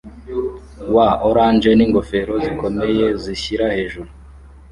wa orange ningofero zikomeye zishira hejuru